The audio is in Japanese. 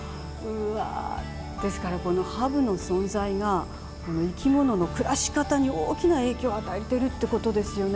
ですからハブの存在が生き物の暮らし方に大きな影響を与えているってことですね。